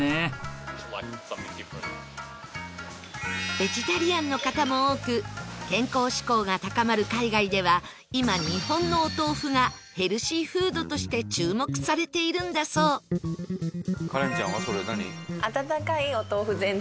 ベジタリアンの方も多く健康志向が高まる海外では今、日本のお豆腐がヘルシーフードとして注目されているんだそう伊達：カレンちゃんはそれ、何？